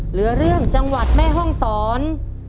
เหลือเรื่องจังหวัดแม่ห้องสอน